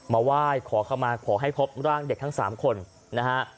มาไหว้ขอเข้ามาขอให้พบร่างเด็กทั้ง๓คนนะฮะ